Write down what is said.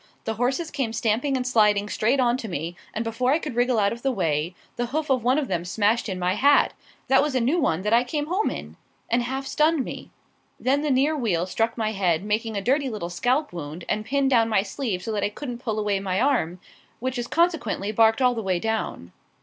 The horses came stamping and sliding straight on to me, and, before I could wriggle out of the way, the hoof of one of them smashed in my hat that was a new one that I came home in and half stunned me. Then the near wheel struck my head, making a dirty little scalp wound, and pinned down my sleeve so that I couldn't pull away my arm, which is consequently barked all the way down.